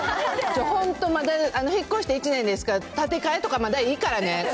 本当、引っ越して１年ですから、建て替えとかまだいいからね。